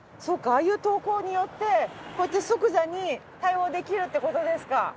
そうかああいう投稿によってこうやって即座に対応できるって事ですか？